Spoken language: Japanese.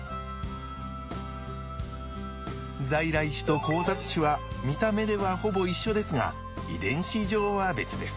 在来種と交雑種は見た目ではほぼ一緒ですが遺伝子上は別です。